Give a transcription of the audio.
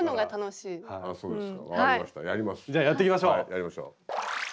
やりましょう。